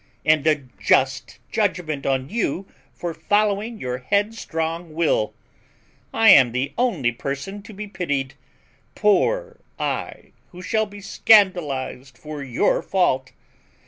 And a just judgment on you for following your headstrong will; I am the only person to be pitied; poor I, who shall be scandalised for your fault.